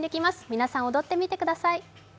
皆さん、踊ってみてください。